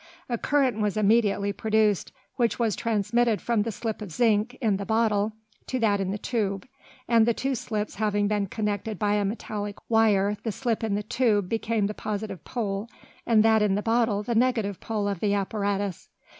A current was immediately produced, which was transmitted from the slip of zinc in the bottle to that in the tube, and the two slips having been connected by a metallic wire the slip in the tube became the positive pole, and that in the bottle the negative pole of the apparatus.